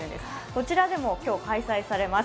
こちらでも今日開催されます。